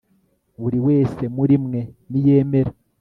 buri wese muri mwe niyemera